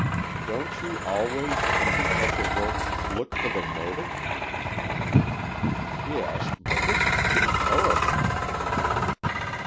Don't you always, in detective work, look for the motive?" "Yes, but this is too horrible!"